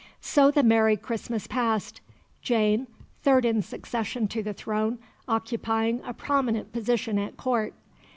So the merry Christmas passed, Jane third in succession to the throne occupying a prominent position at Court.